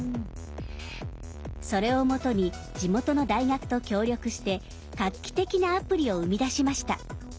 それを基に地元の大学と協力して画期的なアプリを生み出しました。